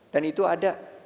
dan itu ada